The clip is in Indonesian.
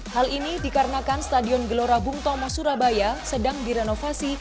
hal ini dikarenakan stadion gelora bung tomo surabaya sedang direnovasi